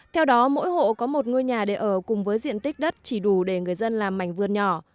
theo đó mỗi hộ có một ngôi nhà để ở cùng với diện tích đất chỉ đủ để người dân làm mảnh vườn nhỏ